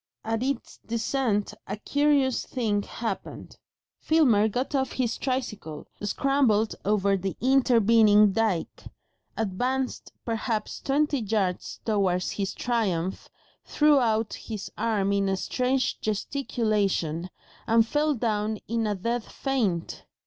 At its descent a curious thing happened. Filmer got off his tricycle, scrambled over the intervening dyke, advanced perhaps twenty yards towards his triumph, threw out his arms in a strange gesticulation, and fell down in a dead faint.